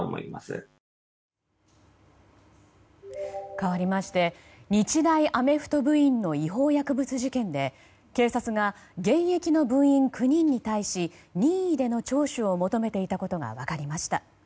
かわりまして日大アメフト部員の違法薬物事件で警察が現役の部員９人に対し任意での聴取を求めていたことが分かりました。